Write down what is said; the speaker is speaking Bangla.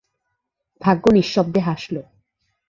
ভাগ্য নিঃশব্দে হাসল।